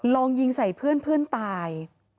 ลองยิงใส่เพื่อนตาย